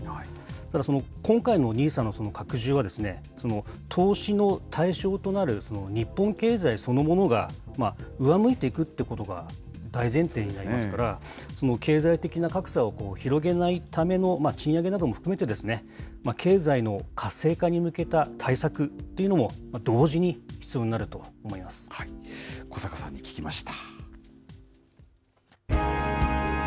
ただ今回のＮＩＳＡの拡充は、投資の対象となる日本経済そのものが、上向いていくってことが大前提になりますから、経済的な格差を広げないための賃上げなども含めてですね、経済の活性化に向けた対策っていうのも同時に必要小坂さんに聞きました。